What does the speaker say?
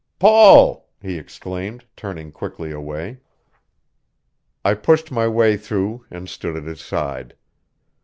"Paul!" he exclaimed, turning quickly away. I pushed my way through and stood at his side.